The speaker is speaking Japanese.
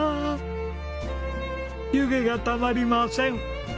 湯気がたまりません！